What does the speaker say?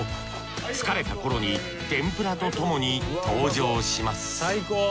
疲れた頃に天ぷらとともに登場します